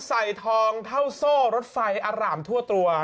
ใส่ทองเท่าโซ่รถไฟอร่ามทั่วตัว